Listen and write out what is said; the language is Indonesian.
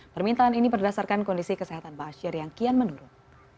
permintaan ini berdasarkan kondisi kesehatan ba'asyir yang kian menurun